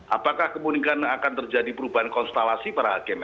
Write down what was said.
apakah kemudian akan terjadi perubahan konstelasi para hakim